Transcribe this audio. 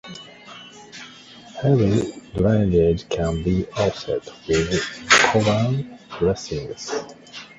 Heavy drainage can be offset with Coban dressings.